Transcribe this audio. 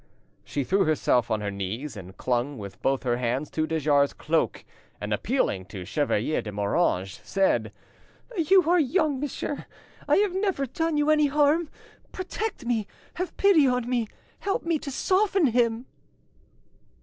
She threw herself on her knees and clung with both her hands to de Jars' cloak, and appealing to Chevalier de Moranges, said— "You are young, monsieur; I have never done you any harm; protect me, have pity on me, help me to soften him!"